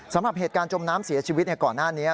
สำหรับเหตุการณ์จมน้ำเสียชีวิตก่อนหน้านี้